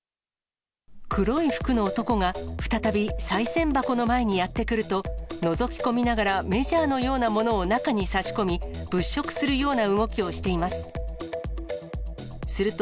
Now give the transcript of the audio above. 黒い服の男が再びさい銭箱の前にやって来ると、のぞき込みながらメジャーのようなものを中に差し込み、物色するような動きをしています。